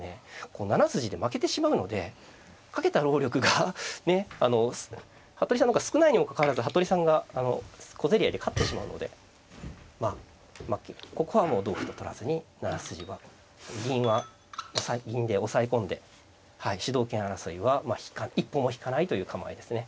こう７筋で負けてしまうのでかけた労力がね服部さんの方が少ないにもかかわらず服部さんが小競り合いで勝ってしまうのでまあここは同歩と取らずに７筋は銀は銀で押さえ込んで主導権争いは一歩も引かないという構えですね。